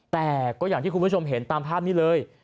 แต่ก็อย่างที่คุณผู้ชมเห็นตามภาพนี้เลย